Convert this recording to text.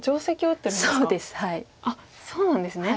あっそうなんですね。